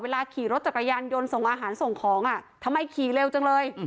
ขี่รถจักรยานยนต์ส่งอาหารส่งของอ่ะทำไมขี่เร็วจังเลย